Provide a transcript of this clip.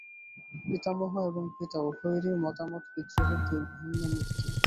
পিতামহ এবং পিতা উভয়েরই মতামত বিদ্রোহের দুই বিভিন্ন মূর্তি।